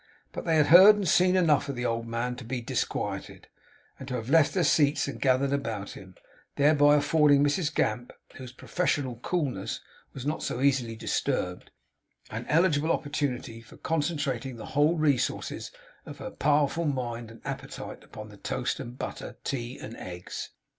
But they had heard and seen enough of the old man to be disquieted, and to have left their seats and gathered about him; thereby affording Mrs Gamp, whose professional coolness was not so easily disturbed, an eligible opportunity for concentrating the whole resources of her powerful mind and appetite upon the toast and butter, tea and eggs.